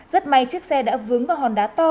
rất may chiếc xe đã vướng vào hòn đá to